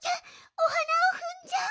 おはなをふんじゃう。